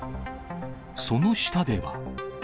その下では。